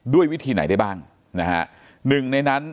ด้วยวิธีไหนได้บ้างนะฮะหนึ่งในนั้น